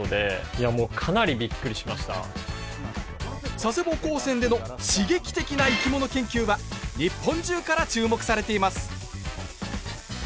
佐世保高専での刺激的な生き物研究は日本中から注目されています！